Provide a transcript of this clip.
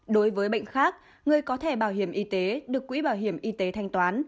đối với bệnh khác người có thẻ bảo hiểm y tế được quỹ bảo hiểm y tế thanh toán